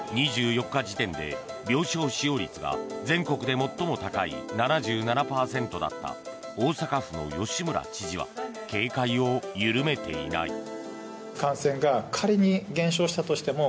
２４日時点で病床使用率が全国で最も高い７７％だった大阪府の吉村知事は警戒を緩めていない。